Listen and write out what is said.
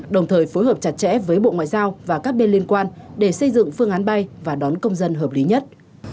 đồng thời phối hợp chặt chẽ với bộ ngoại giao và các bên liên quan để xây dựng phương án bay và đón công dân hợp lý nhất